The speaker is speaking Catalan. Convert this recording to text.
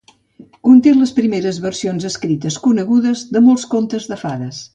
Conté les primeres versions escrites conegudes de molts contes de fades.